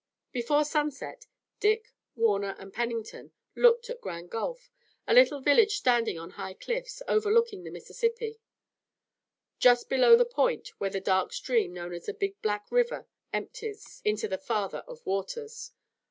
Before sunset Dick, Warner, and Pennington looked at Grand Gulf, a little village standing on high cliffs overlooking the Mississippi, just below the point where the dark stream known as the Big Black River empties into the Father of Waters.